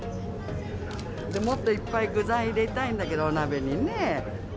もっといっぱい具材入れたいんだけど、お鍋にね。